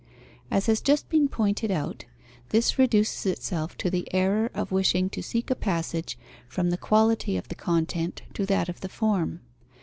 As has just been pointed out, this reduces itself to the error of wishing to seek a passage from the quality of the content to that of the form.